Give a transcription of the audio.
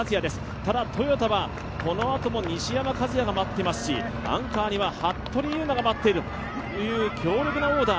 ただ、トヨタはこのあとも西山和弥が待っていますしアンカーには服部勇馬が待っている強力なオーダー。